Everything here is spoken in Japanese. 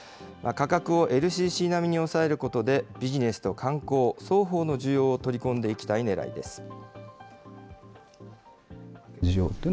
価格をＬＣＣ並みに抑えることで、ビジネスと観光双方の需要を取り込んでいきたいねらいです。